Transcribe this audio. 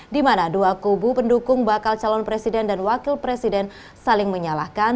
di mana dua kubu pendukung bakal calon presiden dan wakil presiden saling menyalahkan